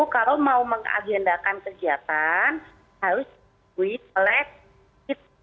kalau mau mengagendakan kegiatan harus di kolektif